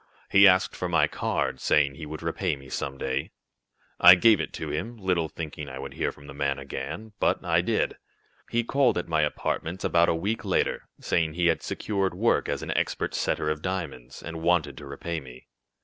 He asked for my card, saying he would repay me some day. I gave it to him, little thinking I would hear from the man again. But I did. He called at my apartments about a week later, saying he had secured work as an expert setter of diamonds, and wanted to repay me.